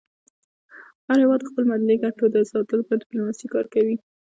هر هېواد د خپلو ملي ګټو د ساتلو لپاره ډيپلوماسي کاروي.